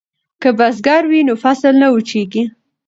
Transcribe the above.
که بزګر وي نو فصل نه وچېږي.